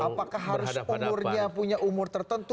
bagaimana kriteria apakah harus umurnya punya umur tertentu